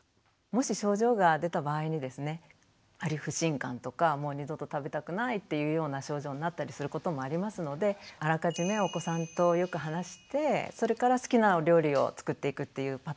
もし症状が出た場合にですねやはり不信感とかもう二度と食べたくないっていうような症状になったりすることもありますのであらかじめお子さんとよく話してそれから好きなお料理を作っていくっていうパターンの方がよいと思います。